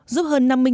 giúp hơn năm mươi hộ